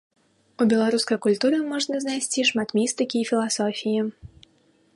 У беларускай культуры можна знайсці шмат містыкі і філасофіі.